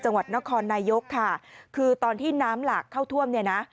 จังหวัดนครนายกค่ะคือตอนที่น้ำหลากเข้าท่วมเนี่ยนะ